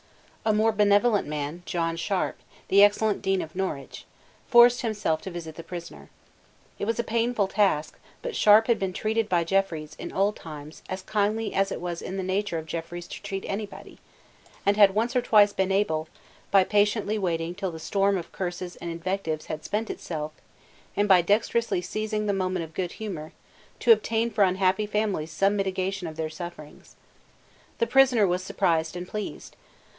A more benevolent man, John Sharp, the excellent Dean of Norwich, forced himself to visit the prisoner. It was a painful task: but Sharp had been treated by Jeffreys, in old times, as kindly as it was in the nature of Jeffreys to treat any body, and had once or twice been able, by patiently waiting till the storm of curses and invectives had spent itself, and by dexterously seizing the moment of good humour, to obtain for unhappy families some mitigation of their sufferings. The prisoner was surprised and pleased.